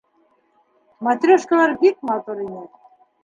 Матрешкалар бик матур ине.